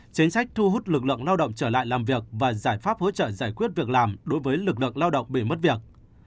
chính sách thu hút lực lượng lao động trở lại làm việc và giải pháp hỗ trợ giải quyết việc làm đối với lực lượng lao động bị mất việc